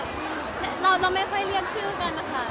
คือตัวสัมภาษณีย์เวลาอยู่ในที่สาธารณะ